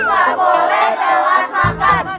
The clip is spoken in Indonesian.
ga boleh telat makan